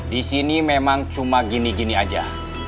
di sini memang cuma gini gini aja